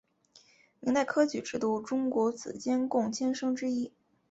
明代科举制度中国子监贡监生之一。